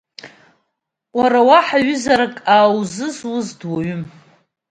Уара уаҳа ҩызарак ааузызуз дуаҩым!